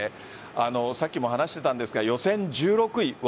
さっきも話していたんですが予選１６位。